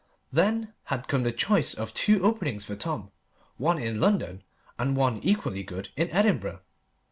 Then had come the choice of two openings for Tom, one in London, and one, equally good, in Edinburgh.